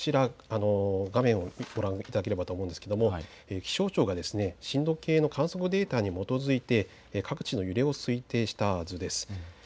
画面をご覧いただければと思うんですが気象庁が震度計の観測データに基づいて各地の揺れを推定した図です。